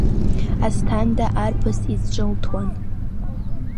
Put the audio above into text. Асҭанда арԥыс изҿылҭуан.